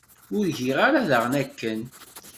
Ur giɣ ara daɣen akken.